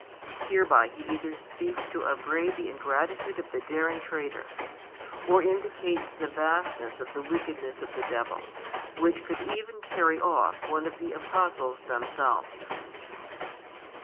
Hereby He either seeks to upbraid the ingratitude of the daring traitor, or indicates the vastness of the wickedness of the devil, which could even carry off one of the Apostles themselves.